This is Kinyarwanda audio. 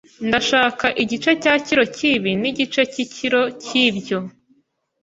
Ndashaka igice cya kilo cyibi nigice cyikiro cyibyo.